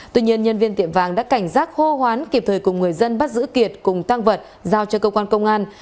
tuy nhiên nhân viên tiệm vàng đã cảnh giác hô hoán kịp thời cùng người dân bắt giữ kiệt cùng tăng vật giao cho cơ quan công an